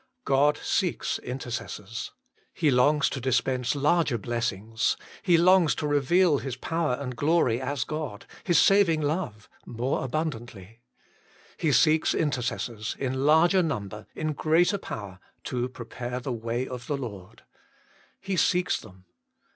God seeks intercessors. He longs to dispense larger blessings. He longs to reveal His power and glory as God, His saving love, more abundantly. He seeks intercessors in larger number, in greater power, to prepare the way of the Lord. He seeks them.